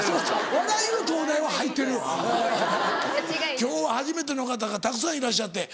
今日は初めての方がたくさんいらっしゃって。